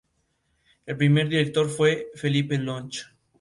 El primer director fue Felipe Lluch.